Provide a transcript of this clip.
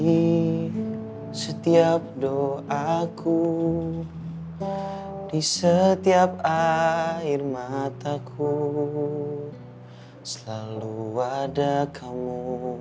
setiap doaku di setiap air mataku selalu ada kamu